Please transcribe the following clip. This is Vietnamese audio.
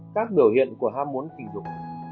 các biểu hiện của ham muốn tình dục